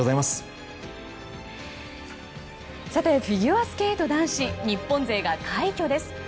フィギュアスケート男子日本勢が快挙です。